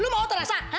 lo mau terasa